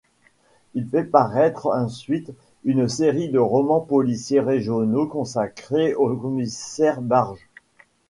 Il fait paraître ensuite une série de romans policiers régionaux consacrée au Commissaire Barge.